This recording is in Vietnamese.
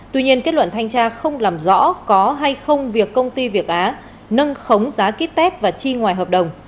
tuy nhiên kết luận thanh tra không làm rõ hay không việc công ty việt á nâng khống giá kít tét và chi ngoài hợp đồng